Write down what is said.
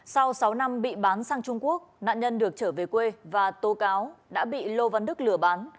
sau sáu năm bị bán sang trung quốc nạn nhân được trở về quê và tố cáo đã bị lô văn đức lừa bán